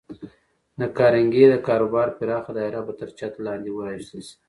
د کارنګي د کاروبار پراخه دایره به تر چت لاندې راوستل شي